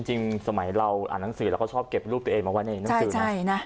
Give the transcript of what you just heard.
จริงสมัยเราอ่านหนังสือเราก็ชอบเก็บรูปตัวเองมาไว้ในหนังสือนะ